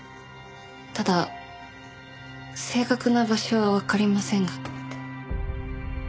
ただ正確な場所はわかりませんが。